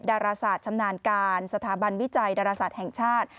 ดาราศาสตร์ชำนาญการสถาบันวิจัยดาราศาสตร์แห่งชาติ